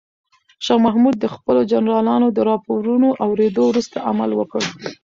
شاه محمود د خپلو جنرالانو د راپورونو اورېدو وروسته عمل وکړ.